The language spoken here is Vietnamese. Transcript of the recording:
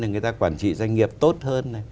người ta quản trị doanh nghiệp tốt hơn